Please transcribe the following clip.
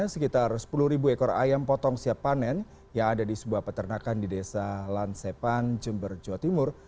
sekitar sepuluh ribu ekor ayam potong siap panen yang ada di sebuah peternakan di desa lansepan jember jawa timur